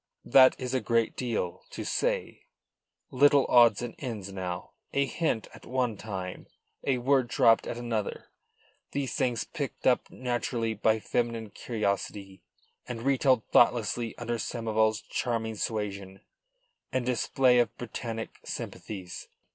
"That is a great deal to say. Little odds and ends now; a hint at one time; a word dropped at another; these things picked up naturally by feminine curiosity and retailed thoughtlessly under Samoval's charming suasion and display of Britannic sympathies.